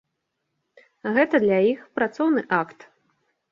Гэта для іх працоўны акт.